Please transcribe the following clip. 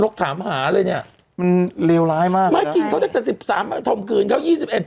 ถามหาเลยเนี้ยมันเลวร้ายมากไม่กินเขาตั้งแต่สิบสามมาถมคืนเขายี่สิบเอ็ด